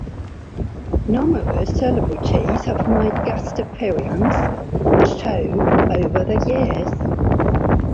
Numerous celebrities have made guest appearance on the show over the years.